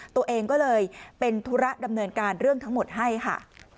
ตัวเองก็เลยเป็นธุระดำเนินการเรื่องทั้งหมดให้ค่ะ